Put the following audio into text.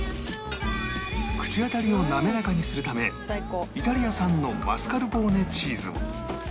口当たりを滑らかにするためイタリア産のマスカルポーネチーズを